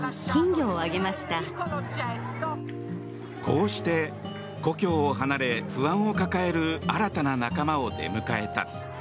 こうして故郷を離れ不安を抱える新たな仲間を出迎えた。